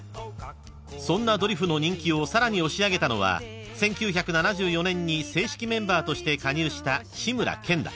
［そんなドリフの人気をさらに押し上げたのは１９７４年に正式メンバーとして加入した志村けんだ］